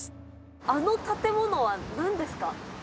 あの建物はなんですか？